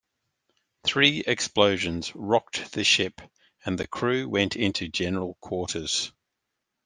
Three explosions rocked the ship and the crew went into General Quarters.